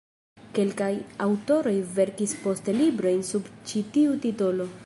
Kelkaj aŭtoroj verkis poste librojn sub ĉi tiu titolo.